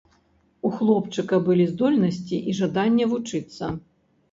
У хлопчыка былі здольнасці і жаданне вучыцца.